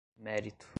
mérito